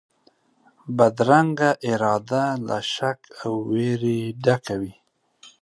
بدرنګه اراده له شک او وېري ډکه وي